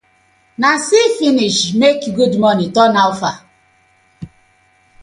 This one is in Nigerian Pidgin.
Na see finish make “good morning” turn “how far”: